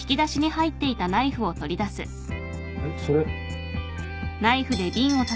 えっそれ。